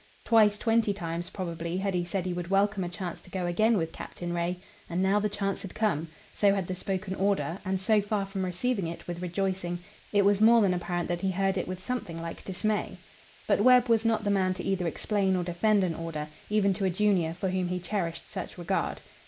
Twice twenty times, probably, had he said he would welcome a chance to go again with Captain Ray, and now the chance had come, so had the spoken order, and, so far from receiving it with rejoicing, it was more than apparent that he heard it with something like dismay. But Webb was not the man to either explain or defend an order, even to a junior for whom he cherished such regard.